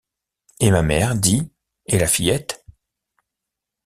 Et ma mère, dis? et la fillette ?